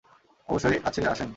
অবশ্যই আছে আসেন।